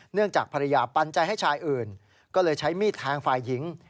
จากภรรยาปันใจให้ชายอื่นก็เลยใช้มีดแทงฝ่ายหญิง